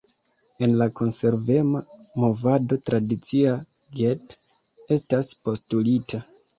En la Konservema movado tradicia "get" estas postulita.